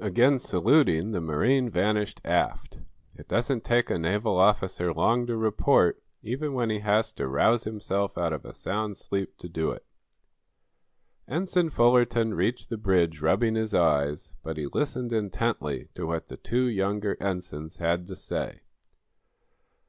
Again saluting the marine vanished aft. It doesn't take a naval officer long to report, even when he has to rouse himself out of a sound sleep to do it. Ensign Fullerton reached the bridge rubbing his eyes, but he listened intently to what the two younger ensigns had to say.